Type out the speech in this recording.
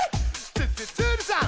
ツツツルさん」